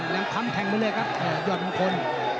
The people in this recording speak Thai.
แล้วคำแพงไปเลยครับยอดมงคล